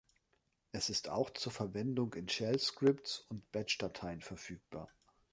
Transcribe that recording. Es ist auch zur Verwendung in Shellskripts und Batchdateien verfügbar.